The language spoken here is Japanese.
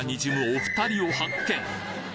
お２人を発見